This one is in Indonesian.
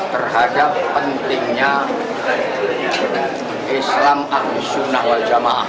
terhadap pentingnya islam ahlus sunnah wal jamaah